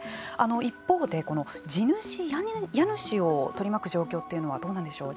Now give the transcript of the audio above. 一方で、地主、家主を取り巻く状況というのはどうなんでしょうか。